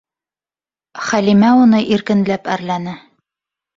Хәлимә уны иркенләп әрләне: